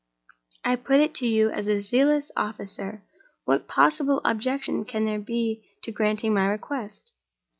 I put it to you as a zealous officer, what possible objection can there be to granting my request?"